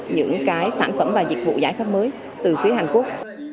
những cái sản phẩm và dịch vụ giải pháp mới từ phía hàn quốc